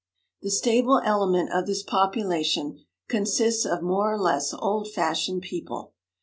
The stable element of this population consists of more or less old fashioned people.